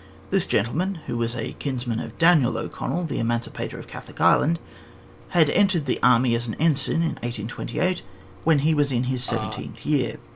This gentleman, who was a kinsman of Daniel O'Connell, the emancipator of Catholic Ireland, had entered the Army as an ensign in 1828, when he was in his seventeenth year.